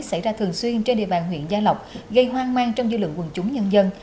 xảy ra thường xuyên trên địa bàn huyện gia lộc gây hoang mang trong dư lượng quần chúng nhân dân